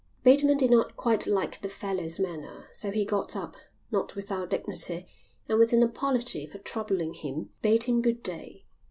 Bateman did not quite like the fellow's manner, so he got up, not without dignity, and with an apology for troubling him bade him good day.